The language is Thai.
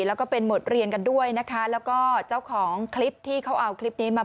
แล้วก็เป็นบทเรียนกันด้วยนะคะแล้วก็เจ้าของคลิปที่เขาเอาคลิปนี้มา